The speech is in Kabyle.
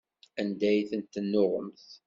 Anda ay tent-tennuɣemt?